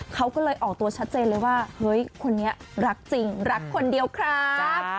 เขาก็เลยออกตัวชัดเจนเลยว่าเฮ้ยคนนี้รักจริงรักคนเดียวครับ